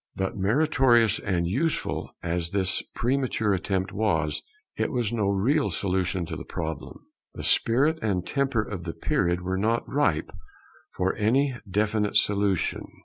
But meritorious and useful as this premature attempt was, it was no real solution of the problem. The spirit and temper of the period were not ripe for any definite solution.